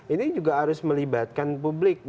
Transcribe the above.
ini juga harus melibatkan publik